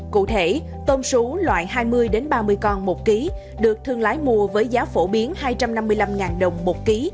cụ thể tôm sú loại hai mươi ba mươi con một ký được thương lái mua với giá phổ biến hai trăm năm mươi năm đồng một ký